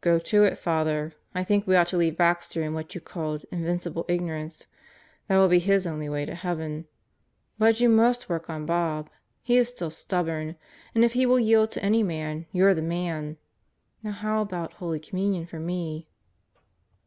"Go to it, Father. I think we ought to leave Baxter in what you called 'invincible ignorance.' That will be his way to heaven. But you must work on Bob. He is still stubborn. But if he will yield to any man, you're the man. Now how about Holy Communion for me?"